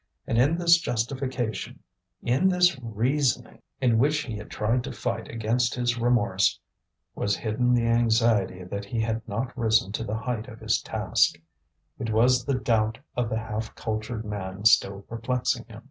And in this justification, in this reasoning, in which he tried to fight against his remorse, was hidden the anxiety that he had not risen to the height of his task; it was the doubt of the half cultured man still perplexing him.